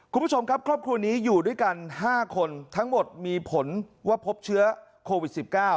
คุณผู้ชมครับครอบครัวนี้อยู่ด้วยกัน๕คนทั้งหมดมีผลว่าพบเชื้อโควิด๑๙